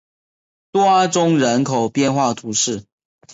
多阿宗人口变化图示